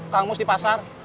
kang mus di pasar